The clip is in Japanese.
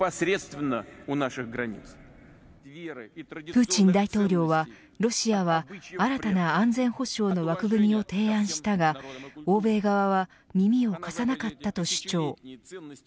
プーチン大統領はロシアは新たな安全保障の枠組みを提案したが欧米側は耳を貸さなかったと主張。